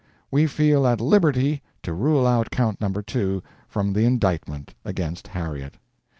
We feel at liberty to rule out Count No. 2 from the indictment against Harriet.